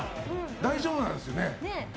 大丈夫なんですよね？